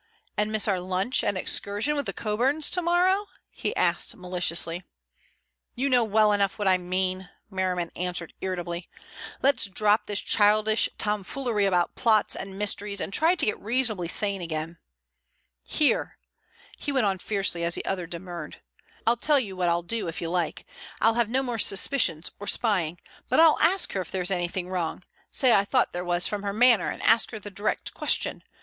"And miss our lunch and excursion with the Coburns to morrow?" he asked maliciously. "You know well enough what I mean," Merriman answered irritably. "Let's drop this childish tomfoolery about plots and mysteries and try to get reasonably sane again. Here," he went on fiercely as the other demurred, "I'll tell you what I'll do if you like. I'll have no more suspicions or spying, but I'll ask her if there is anything wrong: say I thought there was from her manner and ask her the direct question.